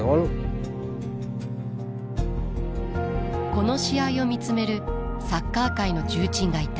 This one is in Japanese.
この試合を見つめるサッカー界の重鎮がいた。